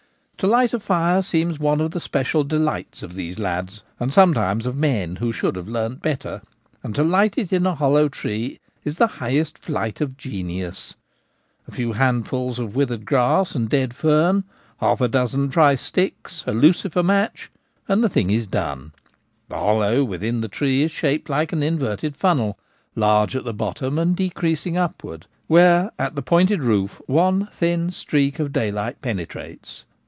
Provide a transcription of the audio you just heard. To light a fire seems one of the special delights of these lads, and sometimes of men who should have learned better ; and to light it in a hollow tree is the highest flight of genius. A few hand fuls of withered grass and dead fern, half a dozen dry sticks, a lucifer match, and the thing is done. The hollow within the tree is shaped like an inverted funnel, large at the bottom and decreasing upwards, where at the pointed roof one thin streak of daylight penetrates.